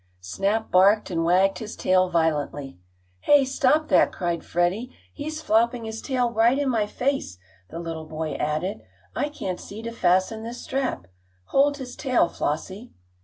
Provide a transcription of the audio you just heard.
Snap barked and wagged his tail violently. "Hey! Stop that!" cried Freddie. "He's flopping his tail right in my face!" the little boy added. "I can't see to fasten this strap. Hold his tail, Flossie."